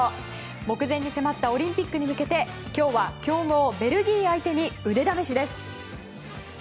目前に迫ったオリンピックに向けて今日は強豪ベルギー相手に腕試しです。